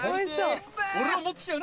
俺らも持って来たよな？